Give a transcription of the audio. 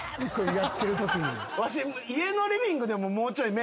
やってるときに。